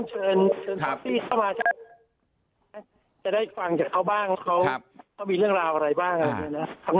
จำได้ฟังมาก่อนเค้าเป็นเรื่องราวอะไรบ้าง